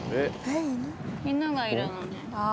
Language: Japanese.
犬がいるのね。